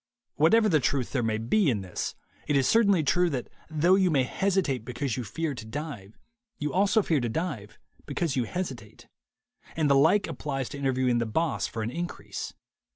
Whatever of truth there may be in this, it is certainly true that though you may hesitate because you fear to dive, you also fear to dive because you hesitate; and the like applies to interviewing the boss for an increase.